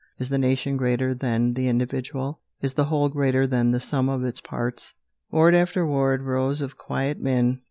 Is the nation greater than the individual? Is the whole greater than the sum of its parts? Ward after ward. Rows of quiet men.